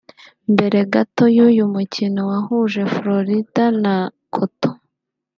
Mbere gato y’uyu mukino wahuje Floyd na Cotto